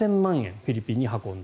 フィリピンに運んだ。